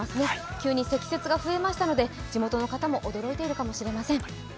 急に積雪が増えましたので地元の方も驚いているかもしれません。